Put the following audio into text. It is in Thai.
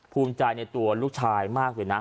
ภูมิใจในตัวลูกชายมากเลยนะ